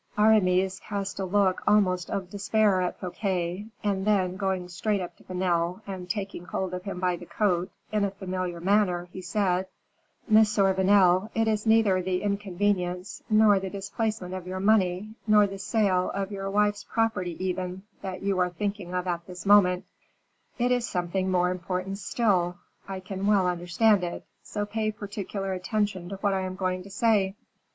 Aramis cast a look almost of despair at Fouquet, and then, going straight up to Vanel and taking hold of him by the coat, in a familiar manner, he said, "Monsieur Vanel, it is neither the inconvenience, nor the displacement of your money, nor the sale of your wife's property even, that you are thinking of at this moment; it is something more important still. I can well understand it; so pay particular attention to what I am going to say."